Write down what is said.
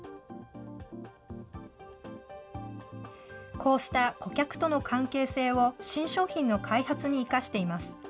こうした顧客との関係性を新商品の開発に生かしています。